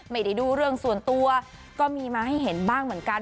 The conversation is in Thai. ไม่ได้ดูเรื่องส่วนตัวก็มีมาให้เห็นบ้างเหมือนกัน